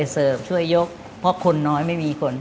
เสิร์ฟช่วยยกเพราะคนน้อยไม่มีคน